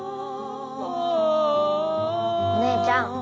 お姉ちゃん。